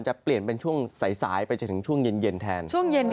จะเปลี่ยนเป็นช่วงใสประจำจนึงช่วงเย็นแทน